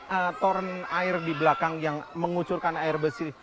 mereka hanya tahu bahwa air di belakang yang mengucurkan air bersih